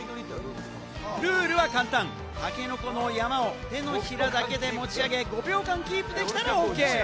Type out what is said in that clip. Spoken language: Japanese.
ルールは簡単、タケノコの山を手のひらだけで持ち上げ、５秒間キープできたらＯＫ。